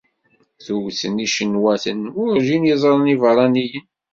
Tuget n Yicinwanen werǧin i ẓran ibeṛṛaniyen.